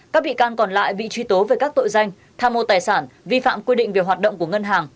các bị can còn lại bị truy tố về các tội danh tha mô tài sản vi phạm quy định về hoạt động của ngân hàng